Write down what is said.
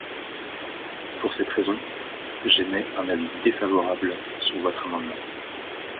Pour cette raison, j’émets un avis défavorable sur votre amendement.